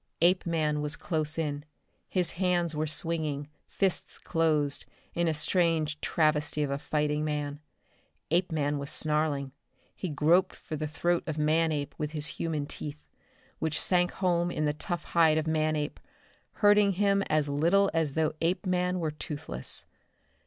Apeman was close in. His hands were swinging, fists closed, in a strange travesty of a fighting man. Apeman was snarling. He groped for the throat of Manape with his human teeth which sank home in the tough hide of Manape, hurting him as little as though Apeman were toothless.